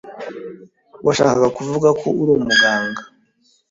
Washakaga kuvuga ko uri umuganga.